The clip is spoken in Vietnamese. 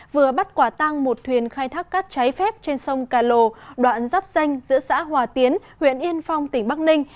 vừa bắt quả tăng một thuyền khai thác cát trái phép trên sông cà lồ đoạn dắp danh giữa xã hòa tiến huyện yên phong tỉnh bắc ninh